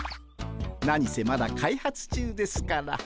何せまだ開発中ですから。